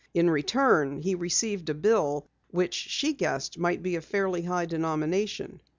In return, he received a bill which she guessed might be of fairly high denomination.